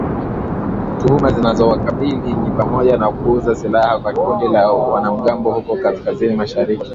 Tuhuma zinazowakabili ni pamoja na kuuza silaha kwa kundi la wanamgambo huko kaskazini mashariki